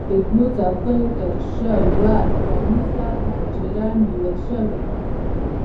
د دوو څوکیو ترشا یوه اوسپنیزه پنجره نیول شوې وه.